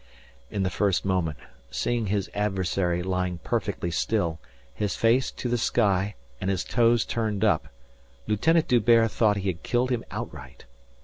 In the first moment, seeing his adversary lying perfectly still, his face to the sky and his toes turned up, Lieutenant D'Hubert thought he had killed him outright.